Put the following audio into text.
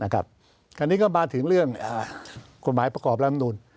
คราวนี้ก็มาถึงเรื่องคุณหมายประกอบรำนูล